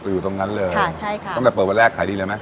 อยู่ตรงนั้นเลยตั้งแต่เปิดวันแรกขายดีเลยมั้ย